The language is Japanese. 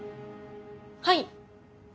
はい。